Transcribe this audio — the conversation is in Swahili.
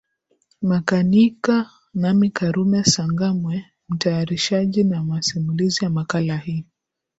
makinika nami karume sangamwe mtayarishaji na masimulizi ya makala hii